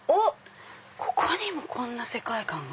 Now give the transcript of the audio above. ここにもこんな世界観が。